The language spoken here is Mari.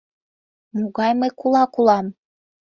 Могай мый кулак улам?..